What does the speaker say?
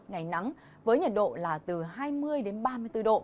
ngày nắng với nhiệt độ là từ hai mươi đến ba mươi bốn độ